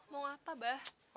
mau apa abah